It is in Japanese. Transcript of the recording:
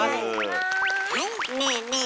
はいねえねえ